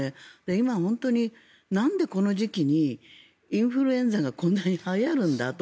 今、本当になんでこの時期にインフルエンザがこんなにはやるんだと。